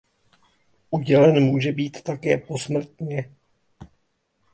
Udělen může být také posmrtně.